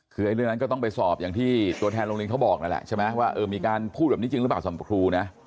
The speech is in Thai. คือเรื่องนั้นก็ต้องไปสอบอย่างที่ตัวแทนโรงเรียนเขาบอกนั่นแหละใช่ไหมว่ามีการพูดแบบนี้จริงหรือเปล่าสำหรับครูนะ